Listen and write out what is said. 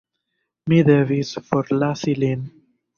Mi devis forlasi lin.